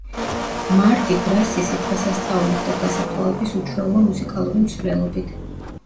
მარდი გრასისი დღესასწაულით და დასაფლავების უჩვეულო მუსიკალური მსვლელობით.